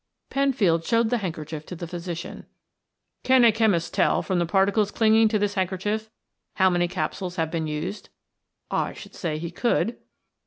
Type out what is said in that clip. Penfield showed the handkerchief to the physician. "Can a chemist tell, from the particles clinging to this handkerchief, how many capsules have been used?" "I should say he could."